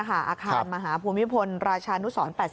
อาคารมหาภูมิพลราชานุสร๘๐